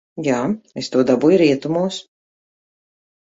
Jā, es to dabūju rietumos.